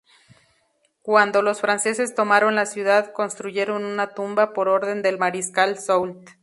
Cuando los franceses tomaron la ciudad, construyeron una tumba por orden del mariscal Soult.